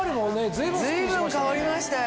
随分変わりましたよ。